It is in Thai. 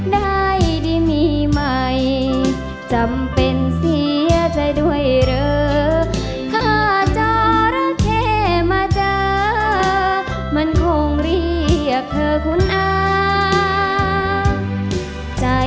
ได้ได้มีมัยจำเป็นเสียใจด้วยเหรอข้าจรเขะมาเจอมันคงเรียกเธอคุณอาจารย์